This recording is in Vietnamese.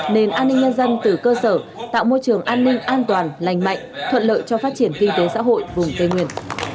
nền an ninh nhân dân từ cơ sở tạo môi trường an ninh an toàn lành mạnh thuận lợi cho phát triển kinh tế xã hội vùng tây nguyên